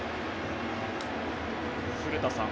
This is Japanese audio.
古田さん